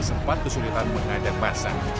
sempat kesulitan mengajak masak